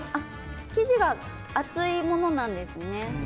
生地が厚いものなんですね。